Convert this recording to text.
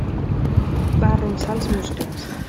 Va arronsar els muscles.